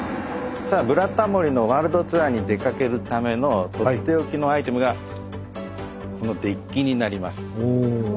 さあ「ブラタモリ」のワールドツアーに出かけるためのとっておきのアイテムがおお。